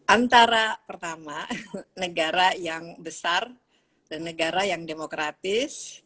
antara pertama negara yang besar dan negara yang demokratis